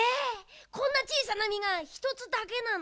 こんなちいさなみが１つだけなの？